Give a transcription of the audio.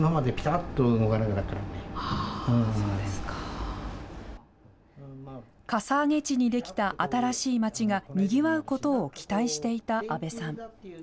かさ上げ地に出来た新しい町がにぎわうことを期待していた阿部さん。